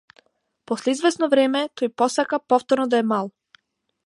После извесно време, тој посака повторно да е мал.